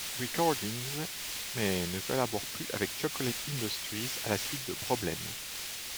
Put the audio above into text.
Recordings, mais ne collaborent plus avec Chocolate Industries à la suite de problèmes.